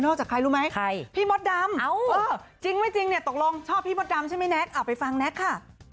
จากใครรู้ไหมใครพี่มดดำจริงไม่จริงเนี่ยตกลงชอบพี่มดดำใช่ไหมแน็กไปฟังแน็กค่ะ